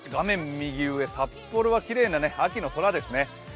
右上、札幌はきれいな秋の空ですね。